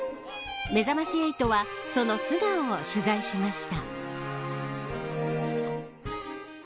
めざまし８はその素顔を取材しました。